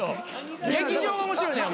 劇場が面白いねん